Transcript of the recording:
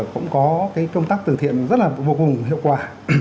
cũng có cái công tác từ thiện rất là vô cùng hiệu quả